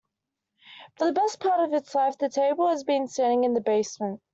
For the best part of its life, the table has been standing in the basement.